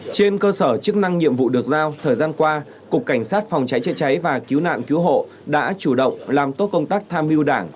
trên cơ sở chức năng nhiệm vụ được giao thời gian qua cục cảnh sát phòng cháy chữa cháy và cứu nạn cứu hộ đã chủ động làm tốt công tác tham mưu đảng